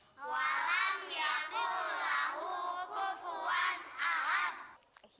walam yakul lahu kufuan ahad